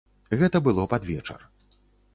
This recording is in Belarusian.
Гэта было пад вечар.